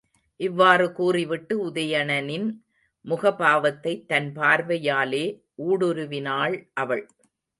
இவ்வாறு கூறிவிட்டு உதயணனின் முகபாவத்தைத் தன் பார்வையாலே ஊடுருவினாள் அவள்.